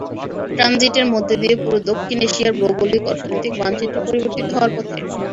ট্রানজিটের মধ্য দিয়ে পুরো দক্ষিণ এশিয়ার ভৌগোলিক–অর্থনৈতিক মানচিত্র পরিবর্তিত হওয়ার পথে।